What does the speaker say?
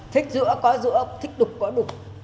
thích rũa có rũa thích đục có đục